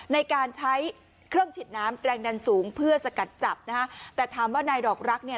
ในการใช้เครื่องฉีดน้ำแรงดันสูงเพื่อสกัดจับนะฮะแต่ถามว่านายดอกรักเนี่ย